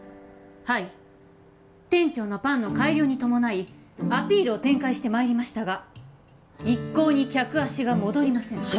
はい店長のパンの改良に伴いアピールを展開してまいりましたが一向に客足が戻りません